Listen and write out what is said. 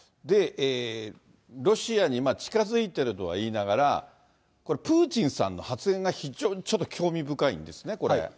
で、ロシアに近づいているとは言いながら、これ、プーチンさんの発言が非常にちょっと興味深いんですね、これ。